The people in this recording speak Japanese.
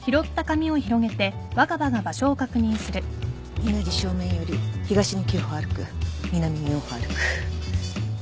「稲荷正面より東に９歩歩く南に４歩歩く」